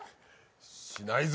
しないぞ。